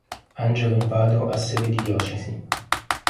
Angelo in Vado a sede di diocesi.